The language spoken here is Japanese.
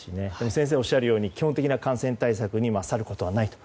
先生がおっしゃるように基本的な感染対策に勝ることはないと。